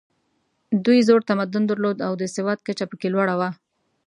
دوی زوړ تمدن درلود او د سواد کچه پکې لوړه وه.